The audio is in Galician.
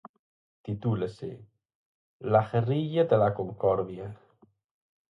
Titúlase 'La guerrilla de la concordia'.